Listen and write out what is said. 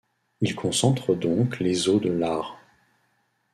Il concentre donc les eaux de l'Aar.